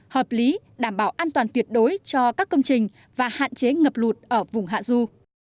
hợp lý đảm bảo an toàn tuyệt đối cho các công trình và hạn chế ngập lụt ở vùng hạ du